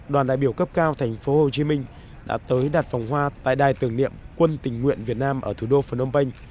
đoàn đại biểu cấp cao tp hcm đã tới đặt phòng hoa tại đài tưởng niệm quân tình nguyện việt nam ở thủ đô phần âu bênh